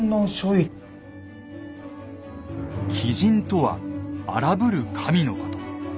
「鬼神」とは荒ぶる神のこと。